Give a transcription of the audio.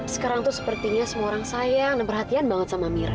sekarang tuh sepertinya semua orang sayang dan perhatian banget sama mira